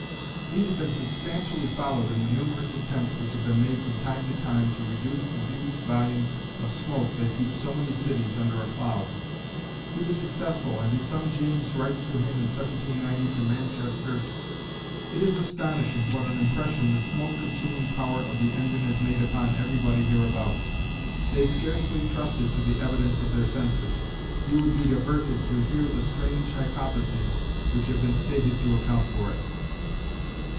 These have been substantially followed in the numerous attempts which have been made from time to time to reduce the huge volumes of smoke that keep so many cities under a cloud. He was successful and his son James writes to him in 1790 from Manchester: It is astonishing what an impression the smoke consuming power of the engine has made upon everybody hereabouts. They scarcely trusted to the evidence of their senses. You would be diverted to hear the strange hypotheses which have been stated to account for it.